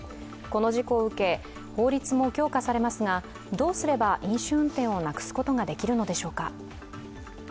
この事故を受け、法律も強化されますが、どうすれば飲酒運転をなくすことができるのでしょうか。